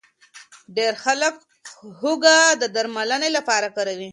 ډېر خلک هوږه د درملنې لپاره کاروي.